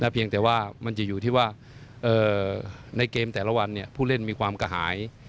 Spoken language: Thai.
เพียงแต่ว่ามันจะอยู่ที่ว่าในเกมแต่ละวันผู้เล่นมีความกระหาย